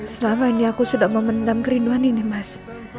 selama ini aku sudah memendam kerinduan ini mas